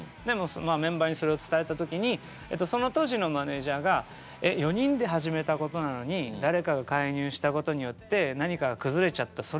でもメンバーにそれを伝えた時にその当時のマネージャーが「えっ４人で始めたことなのに誰かが介入したことによって何かが崩れちゃった。